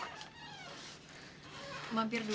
saya mau berumur